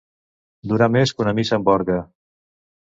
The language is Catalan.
Durar més que una missa amb orgue.